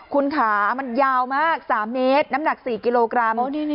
คุณขามันยาวมาก๓เมตรน้ำหนัก๔กิโลกรัม